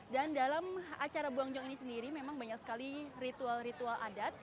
dan dalam acara buangjong ini sendiri memang banyak sekali ritual ritual adat